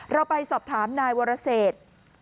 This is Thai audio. เราไปสอบถามนายวรเศษ